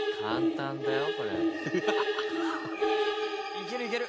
いけるいける！